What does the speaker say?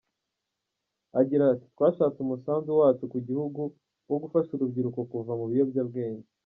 Agira ati “Twashatse umusanzu wacu ku gihugu wo gufasha urubyiruko kuva mu biyobyabwenge.